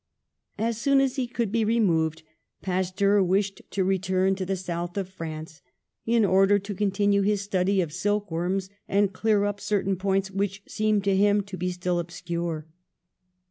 As soon as he could be removed Pasteur wished to return to the south of France, in or der to continue his study of silk worms, and clear up certain points which seemed to him to be still obscure.